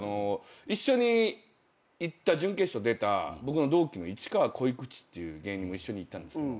一緒に行った準決勝出た僕の同期の市川こいくちっていう芸人も一緒に行ったんですけど。